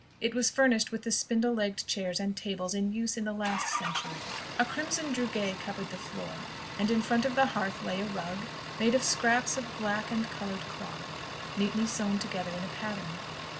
It was furnished with the spindle legged chairs and tables in use in the last century. A crimson drugget covered the floor, and in front of the hearth lay a rug, made of scraps of black and coloured cloth, neatly sewn together in a pattern.